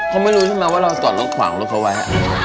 เขาไม่รู้ใช่มั้ยว่าเราตรวจลดขวางลูกเขาไว้